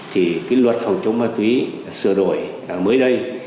thì cái luật phòng chống ma túy sửa đổi mới đây